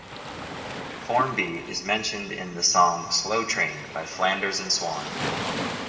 Formby is mentioned in the song "Slow Train" by Flanders and Swann.